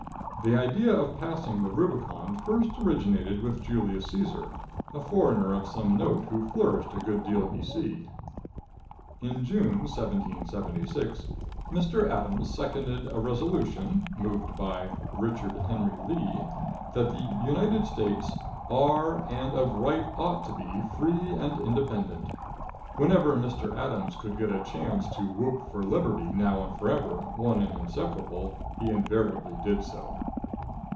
The idea of passing the rubicon first originated with Julius Caesar, a foreigner of some note who flourished a good deal B.C. In June, 1776, Mr. Adams seconded a resolution, moved by Richard Henry Lee, that the United States "are, and of right ought to be, free and independent." Whenever Mr. Adams could get a chance to whoop for liberty now and forever, one and inseparable, he invariably did so.